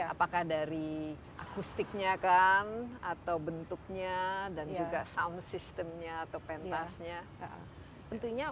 apakah dari akustiknya kan atau bentuknya dan juga sound systemnya atau pentasnya